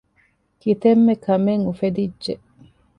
ކިތަންމެ ކަމެއް އުފެދިއްޖެ